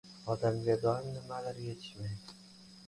• Odamga doim nimadir yetishmaydi.